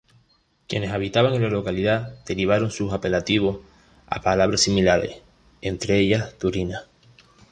Quienes habitaban en la localidad derivaron sus apelativos a palabras similares, entre ellas Turina.